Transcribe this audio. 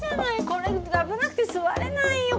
これ危なくて座れないよ